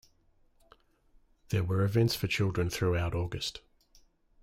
There were events for children throughout August.